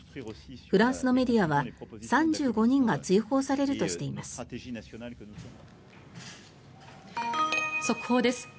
フランスのメディアは、３５人が追放されるとしています。